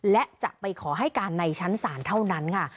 และจะไปขอให้การในชั้นศาลเท่านั้นค่ะ